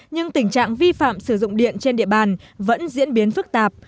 nhưng tình trạng vi phạm sử dụng điện trên địa bàn vẫn diễn biến phức tạp